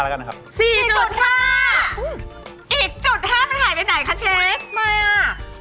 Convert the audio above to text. ๔๕แล้วกันนะครับ๔๕อีกจุด๕มันหายไปไหนคะเชฟไม่อ่ะ